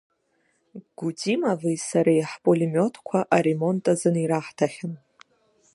Гудимови сареи ҳпулимиотқәа аремонт азын ираҳҭахьан.